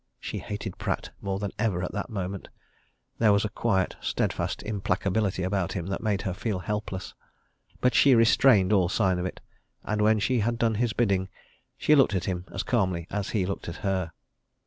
She hated Pratt more than ever at that moment there was a quiet, steadfast implacability about him that made her feel helpless. But she restrained all sign of it, and when she had done his bidding she looked at him as calmly as he looked at her.